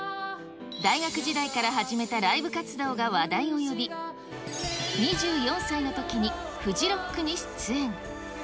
大学時代から始めたライブ活動が話題を呼び、２４歳のときにフジロックに出演。